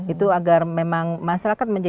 itu agar memang masyarakat